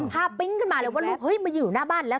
ปิ๊งขึ้นมาเลยว่าลูกเฮ้ยมาอยู่หน้าบ้านแล้ว